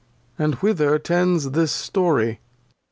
And whether tends this Story